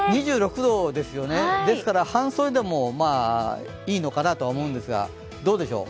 ２６度ですよね、半袖でもいいのかなと思うんですが。